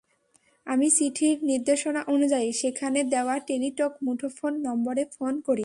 আমি চিঠির নির্দেশনা অনুযায়ী সেখানে দেওয়া টেলিটক মুঠোফোন নম্বরে ফোন করি।